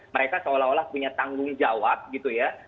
mereka seolah olah punya tanggung jawab gitu ya